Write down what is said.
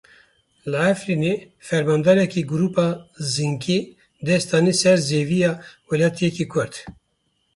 Li Efrînê Fermandarekî grûpa Zinkî dest danî ser zeviya welatiyekî Kurd.